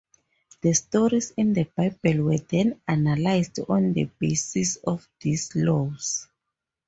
The stories in the Bible were then analyzed on the basis of these "laws".